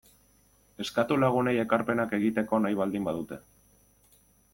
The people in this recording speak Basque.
Eskatu lagunei ekarpenak egiteko nahi baldin badute.